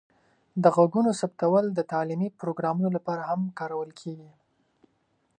د غږونو ثبتول د تعلیمي پروګرامونو لپاره هم کارول کیږي.